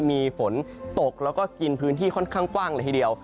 มีฝนตกแล้วก็กินพื้นที่ค่อนข้างกว้างเลยทีเดียว